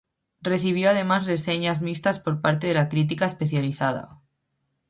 Recibió además reseñas mixtas por parte de la crítica especializada.